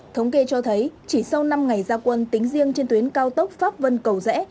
thống kê cho thấy chỉ sau năm ngày gia quân tính riêng trên tuyến cao tốc pháp vân cầu rẽ